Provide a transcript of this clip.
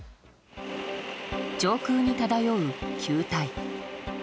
上空に漂う球体。